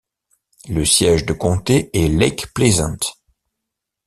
Le siège de comté est Lake Pleasant.